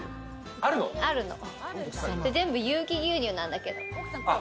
全部有機牛乳なんだけど。